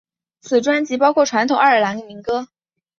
此专辑包括传统爱尔兰民歌。